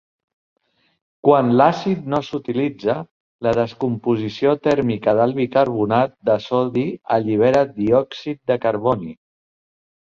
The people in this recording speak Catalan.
Quan l'àcid no s'utilitza, la descomposició tèrmica del bicarbonat de sodi allibera diòxid de carboni.